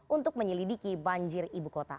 untuk menyelidiki banjir ibu kota